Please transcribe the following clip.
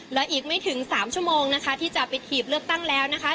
เหลืออีกไม่ถึง๓ชั่วโมงนะคะที่จะปิดหีบเลือกตั้งแล้วนะคะ